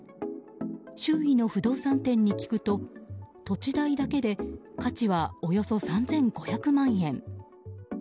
周囲の不動産店に聞くと土地代だけで価値は、およそ３５００万円。